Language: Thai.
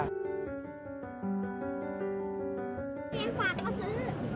พี่เจมส์ขอซื้อ